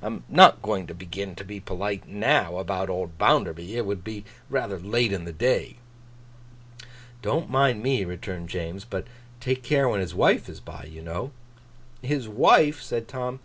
I am not going to begin to be polite now, about old Bounderby. It would be rather late in the day.' 'Don't mind me,' returned James; 'but take care when his wife is by, you know.' 'His wife?' said Tom.